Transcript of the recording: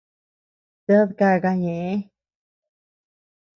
Ted káka ñeʼë.